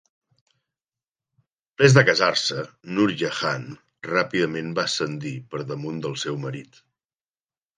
Després de casar-se, Nur Jahan ràpidament va ascendir per damunt del seu marit.